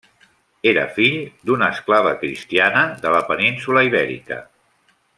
Era fill d'una esclava cristiana de la península Ibèrica.